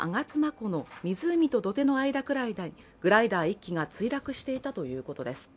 湖の湖と土手の間ぐらいにグライダー１機が墜落していたということです。